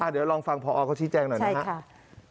เดี๋ยวลองฟังพอเขาชี้แจงหน่อยนะครับ